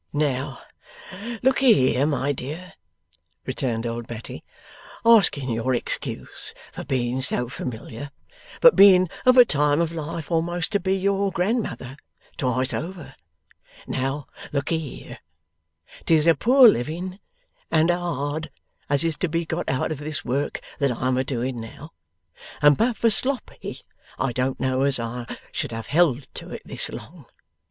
'Now, lookee here, by dear,' returned old Betty 'asking your excuse for being so familiar, but being of a time of life a'most to be your grandmother twice over. Now, lookee, here. 'Tis a poor living and a hard as is to be got out of this work that I'm a doing now, and but for Sloppy I don't know as I should have held to it this long.